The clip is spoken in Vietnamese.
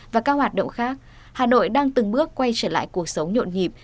và các hoạt động khác hà nội đang từng bước quay trở lại cuộc sống nhộn nhịp